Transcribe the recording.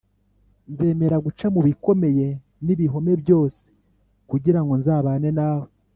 Nzemera guca mu bikomeye n’ibihome byose kugira ngo nzabane nawe